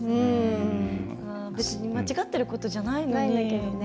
別に間違ってることじゃないのに。